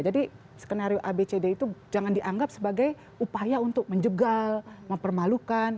jadi skenario a b c d itu jangan dianggap sebagai upaya untuk menjegal mempermalukan